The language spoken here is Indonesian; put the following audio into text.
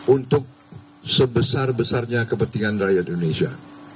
untuk sebesar besarnya kepentingan rakyat indonesia